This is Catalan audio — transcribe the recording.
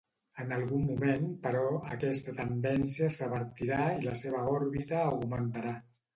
En algun moment, però, aquesta tendència es revertirà i la seva òrbita augmentarà.